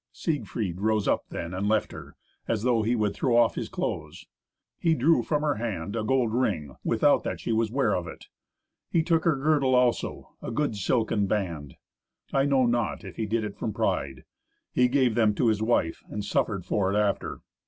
Siegfried rose up then and left her, as though he would throw off his clothes. He drew from her hand a gold ring, without that she was ware of it. He took her girdle also, a good silken band. I know not if he did it from pride. He gave them to his wife, and suffered for it after.